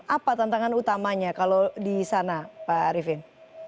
apa tantangan utamanya kalau di sana pak arifin